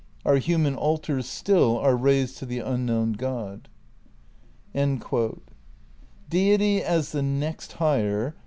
Our human altars still are raised to the unknown God." ' Deity, as the next higher